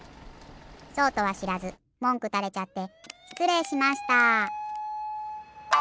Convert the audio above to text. そうとはしらずもんくたれちゃってしつれいしました。